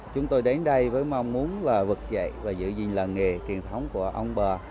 chúng tôi đến đây với mong muốn là vực dậy và giữ gìn làng nghề truyền thống của ông bà